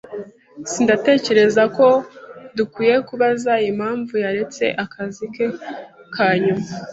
[S] Ndatekereza ko dukwiye kubaza impamvu yaretse akazi ke ka nyuma.